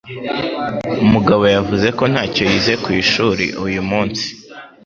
Mugabo yavuze ko ntacyo yize ku ishuri uyu munsi.